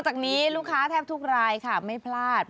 จากนี้ลูกค้าแทบทุกรายค่ะไม่พลาด